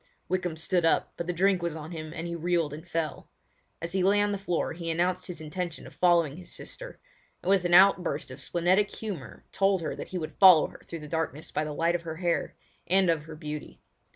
Wykham stood up, but the drink was on him and he reeled and fell. As he lay on the floor he announced his intention of following his sister; and with an outburst of splenetic humour told her that he would follow her through the darkness by the light of her hair, and of her beauty.